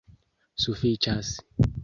sufiĉas